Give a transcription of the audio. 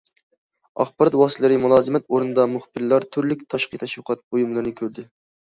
ئاخبارات ۋاسىتىلىرى مۇلازىمەت ئورنىدا مۇخبىرلار تۈرلۈك تاشقى تەشۋىقات بۇيۇملىرىنى كۆردى.